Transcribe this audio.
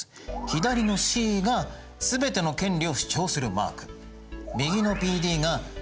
右のＰＤが全ての権利を放棄するマーク。